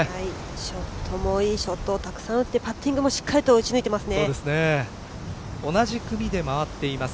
ショットもいいショットをたくさん打ってパッティングも同じ組で回っています